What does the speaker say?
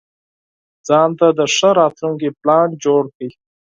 ځانته د ښه راتلونکي پلان جوړ کړئ.